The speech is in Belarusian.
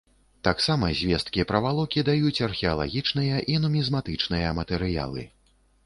Таксама звесткі пра валокі даюць археалагічныя і нумізматычныя матэрыялы.